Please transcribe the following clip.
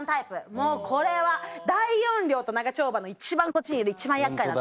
もうこれは大音量と長丁場の一番こっちにいる一番厄介なタイプです。